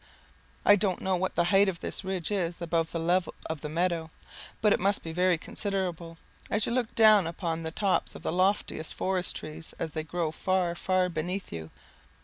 I don't know what the height of this ridge is above the level of the meadow, but it must be very considerable, as you look down upon the tops of the loftiest forest trees as they grow far, far beneath you.